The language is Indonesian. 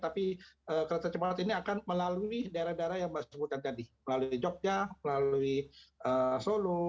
tapi kereta cepat ini akan melalui daerah daerah yang mbak sebutkan tadi melalui jogja melalui solo